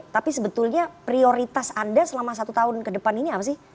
tapi sebetulnya prioritas anda selama satu tahun ke depan ini apa sih